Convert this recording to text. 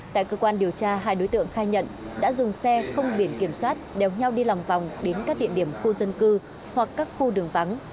tại cơ quan điều tra hai đối tượng khai nhận đã dùng xe không biển kiểm soát đèo nhau đi lòng vòng đến các địa điểm khu dân cư hoặc các khu đường vắng